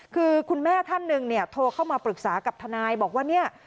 คือคุณแม่ท่านหนึ่งเนี่ยโทรเข้ามาปรึกษากับทนายบอกว่าเนี่ย